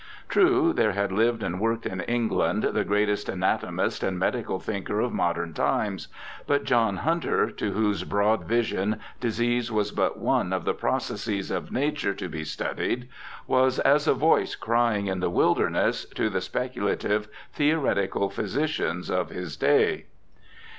True, there had lived and worked in England the greatest anatomist and medical thinker of modern times ; but John Hunter, to whose broad vision disease was but one of the processes of nature to be studied, was as a voice crying in the wilderness to the speculative, theoretical physicians of his day.